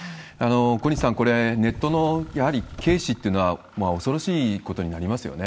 小西さん、これ、ネットの、やはり軽視っていうのは恐ろしいことになりますよね。